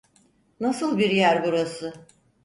Nasıl bir yer burası?